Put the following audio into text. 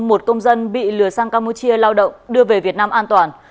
một công dân bị lừa sang campuchia lao động đưa về việt nam an toàn